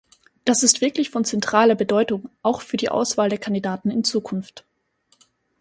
Das ist wirklich von zentraler Bedeutung auch für die Auswahl der Kandidaten in Zukunft.